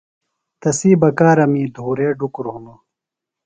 تسی بکارمی دُھورے ڈُکُر ہِنوۡ۔